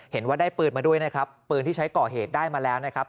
เห็นว่าได้ปืนมาด้วยนะครับปืนที่ใช้ก่อเหตุได้มาแล้วนะครับ